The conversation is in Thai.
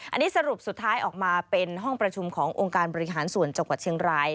อันนี้สรุปสุดท้ายออกมาเป็นห้องประชุมขององค์การบริหารส่วนจังหวัดเชียงราย